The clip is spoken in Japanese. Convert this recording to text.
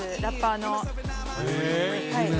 ラッパーの。